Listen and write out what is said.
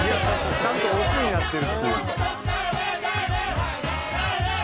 ちゃんとオチになってるっていう。